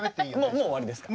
もう終わりですか？